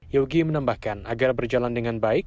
yogi menambahkan agar berjalan dengan baik